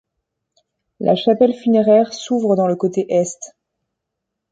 La chapelle funéraire s'ouvre dans le côté est.